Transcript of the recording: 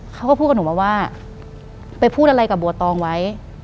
เขาก็พูดกับหนูมาว่าไปพูดอะไรกับบัวตองไว้